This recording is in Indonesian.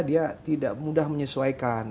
dia tidak mudah menyesuaikan